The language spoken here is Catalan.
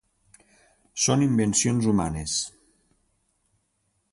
Són invencions humanes.